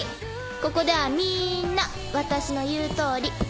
ここではみんな私の言う通り。